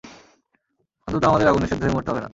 অন্তত আমাদের আগুনে সেদ্ধ হয়ে মরতে হবে না!